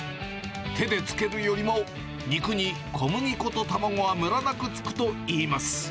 手で付けるよりも、肉に小麦粉と卵がむらなくつくといいます。